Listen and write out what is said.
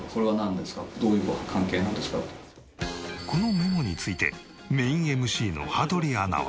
このメモについてメインＭＣの羽鳥アナは。